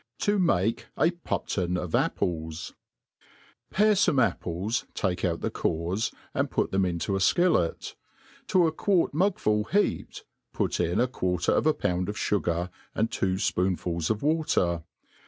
— s. ^ To make a Pupton of Apples^ PARE fome apples, take out the cores, and put them into a Iktilet : to a quart miigful heaped, put in a quarter of a pound of fugar, and two fpoonfuls of water.